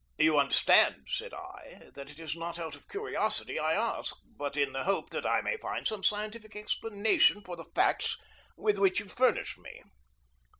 "You understand," said I, "that it is not out of curiosity I ask, but in the hope that I may find some scientific explanation for the facts with which you furnish me."